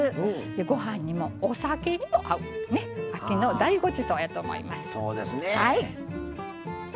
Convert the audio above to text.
ご飯にもお酒にも合う秋の大ごちそうだと思います。